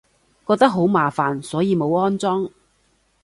覺得好麻煩，所以冇安裝